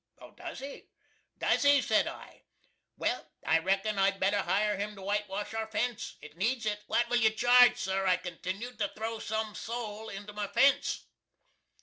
"Does he? does he?" said I "well, I reckon I'd better hire him to whitewash our fence. It needs it. What will you charge, sir," I continued, "to throw some soul into my fence?"